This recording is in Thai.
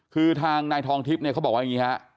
คือทางนายทองทิพย์เนี่ยเขาบอกว่าอย่างนี้ฮะ